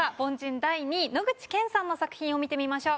第２位野口健さんの作品を見てみましょう。